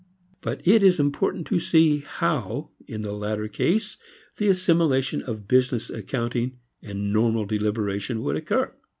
But it is important to see how in the latter case the assimilation of business accounting and normal deliberation would occur.